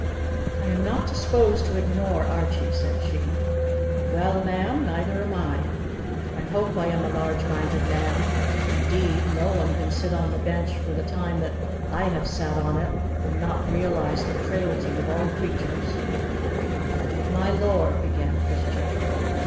"I am not disposed to ignore Archie," said she. "Well, ma'am, neither am I. I hope I am a large minded man indeed, no one can sit on the bench for the time that I have sat on it and not realize the frailty of all creatures " "My lord " began Christian.